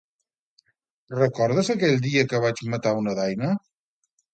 Recordes aquell dia que vaig matar una daina?